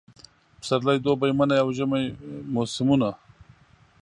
پسرلی، دوبی، منی اوژمی موسمونه